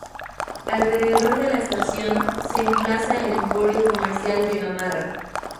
Alrededor de la estación, se emplaza el emporio comercial de Gamarra.